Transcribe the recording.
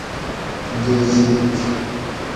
دوشیک